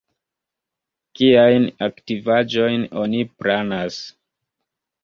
Kiajn aktivaĵojn oni planas?